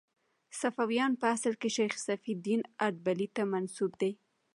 صفویان په اصل کې شیخ صفي الدین اردبیلي ته منسوب دي.